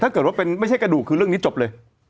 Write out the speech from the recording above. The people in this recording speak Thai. ถ้าเกิดว่าเป็นไม่ใช่กระดูกคือเรื่องนี้จบเลย